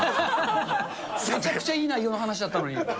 めちゃくちゃいい内容の話だったのに。